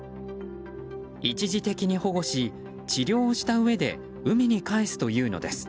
一時的に保護し治療をしたうえで海に帰すというのです。